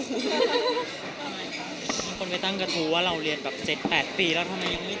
ที่คนไปตั้งจะรู้ว่าเราเรียนแบบ๗๘ปีแล้วทำไมยังไม่ถึง